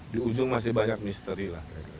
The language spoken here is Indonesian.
di ujung masih banyak misteri lah